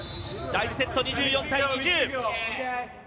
第１セット、２４対２０。